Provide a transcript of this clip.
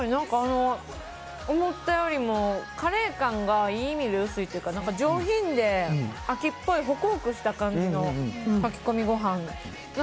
思ったよりもカレー感がいい意味で薄いというか上品で、秋っぽいホクホクした感じの炊き込みご飯。